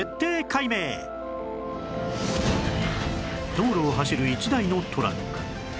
道路を走る１台のトラック